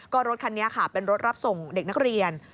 ก็รถคันนี้ค่ะเป็นรถรับส่งเด็กนักเรียน